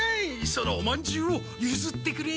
そのおまんじゅうをゆずってくれ。